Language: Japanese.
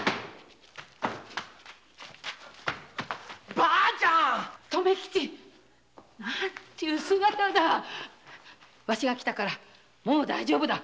婆ちゃん留吉何という姿だワシが来たからもう大丈夫だ。